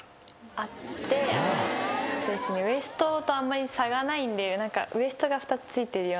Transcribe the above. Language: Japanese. ウエストとあんまり差がないんで。